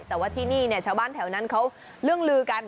แต่ว่าที่นี่เนี่ยชาวบ้านแถวนั้นเขาเรื่องลือกัน